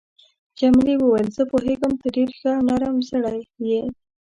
جميلې وويل: زه پوهیږم ته ډېر ښه او نرم زړی یې.